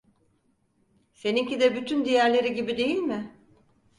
Seninki de bütün diğerleri gibi değil mi?